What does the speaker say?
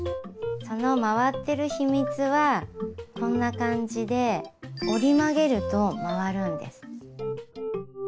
その回ってる秘密はこんな感じで折り曲げると回るんです。